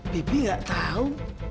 bibi nggak tahu